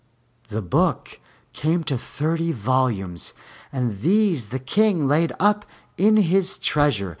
The book came to thirty volumes, and these the King laid up in his treasure.